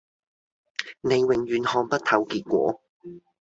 你永遠看不透結果